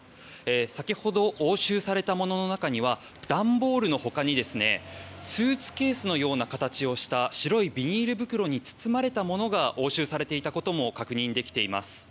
先ほど、押収されたものの中には段ボールの他にスーツケースのような形をした白いビニール袋に包まれたものが押収されていたことも確認できています。